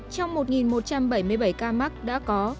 trong một một trăm bảy mươi bảy ca mắc đã có